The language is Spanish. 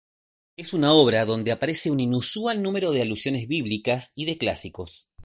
Es una obra donde aparece un inusual número de alusiones bíblicas y de clásicos.